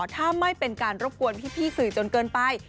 ถ้าไม่เป็นการรบกวนพี่สื่อจนเกินไป